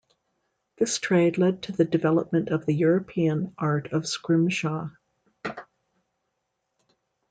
This trade led to the development of the European art of scrimshaw.